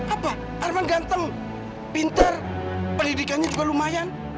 apa arman ganteng pinter pendidikannya juga lumayan